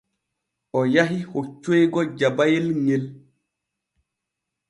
O yahi hoccoygo Jabayel ŋel.